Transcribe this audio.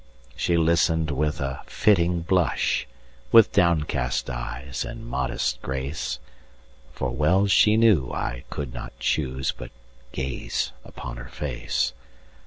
She listen'd with a flitting blush, With downcast eyes and modest grace; For well she knew, I could not chooseBut gaze upon her face.